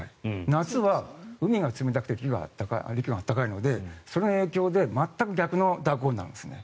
夏は海が冷たくて陸が暖かいのでその影響で全く逆の蛇行になるんです。